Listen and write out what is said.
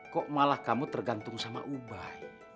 kok malah kamu tergantung sama ubah